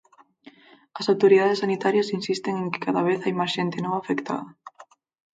As autoridades sanitarias insisten en que cada vez hai máis xente nova afectada.